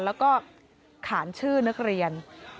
แล้วก็ขานชื่อนักเรียน